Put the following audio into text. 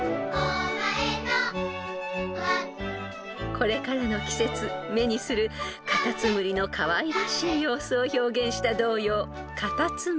［これからの季節目にするかたつむりのかわいらしい様子を表現した童謡『かたつむり』］